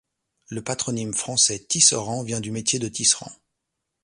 Le patronyme français Tisserand vient du métier de tisserand.